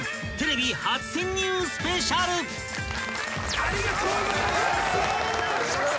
ありがとうございます！